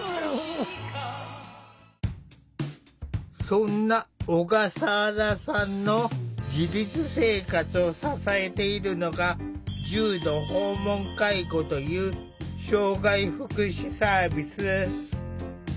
そんな小笠原さんの自立生活を支えているのが重度訪問介護という障害福祉サービス。